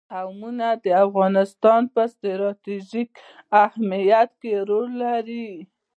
قومونه د افغانستان په ستراتیژیک اهمیت کې رول لري.